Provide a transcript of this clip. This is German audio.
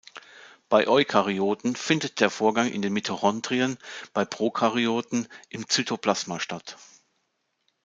Bei Eukaryoten findet der Vorgang in den Mitochondrien, bei Prokaryoten im Cytoplasma statt.